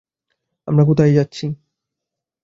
আমরা কোথায় যাচ্ছি?